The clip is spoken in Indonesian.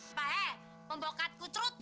mbah he pembokat kucrut